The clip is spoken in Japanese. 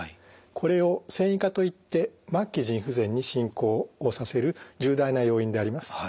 これを線維化といって末期腎不全に進行をさせる重大な要因であります。